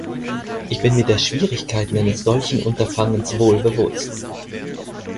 Ich bin mir der Schwierigkeiten eines solchen Unterfangens wohl bewusst.